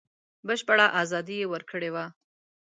بشپړه ازادي یې ورکړې وه.